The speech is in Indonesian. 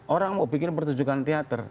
orang mau bikin pertunjukan teater